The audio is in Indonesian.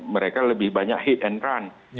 mereka lebih banyak hit and run